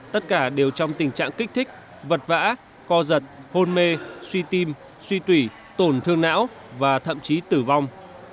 tất cả đều trong tình trạng kích thích vật vã co giật hôn mê suy tim suy tủy tổn thương não và thậm chí tử vong